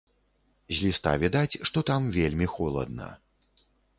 З ліста відаць, што там вельмі холадна.